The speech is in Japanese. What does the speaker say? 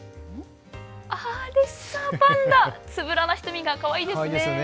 レッサーパンダ、つぶらな瞳がかわいいですね。